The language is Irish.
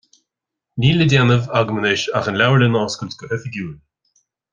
Níl le déanamh agam anois ach an leabharlann a oscailt go hoifigiúil.